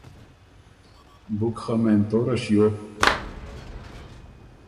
بُک خه مېن توره شیو